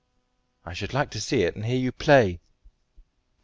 "I should like to see it, and hear you play."